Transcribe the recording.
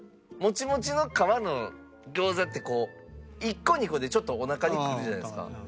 もちもちの皮の餃子ってこう１個２個でちょっとおなかにくるじゃないですか。